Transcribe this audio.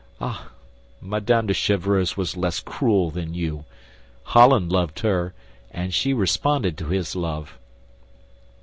Ah, Madame de Chevreuse was less cruel than you. Holland loved her, and she responded to his love."